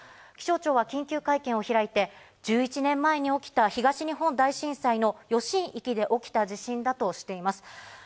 気象庁は緊急会見を開いて、１１年前に起きた東日本大震災の余震域で起きた地震だとしています。